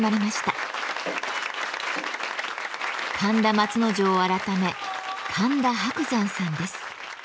神田松之丞改め神田伯山さんです。